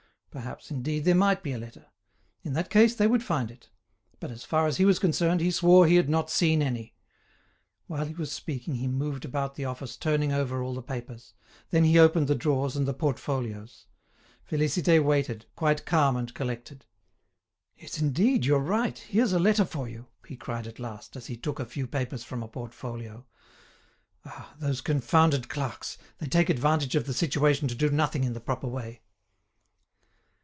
Perhaps, indeed, there might be a letter. In that case they would find it. But, as far as he was concerned, he swore he had not seen any. While he was speaking he moved about the office turning over all the papers. Then he opened the drawers and the portfolios. Félicité waited, quite calm and collected. "Yes, indeed, you're right, here's a letter for you," he cried at last, as he took a few papers from a portfolio. "Ah! those confounded clerks, they take advantage of the situation to do nothing in the proper way."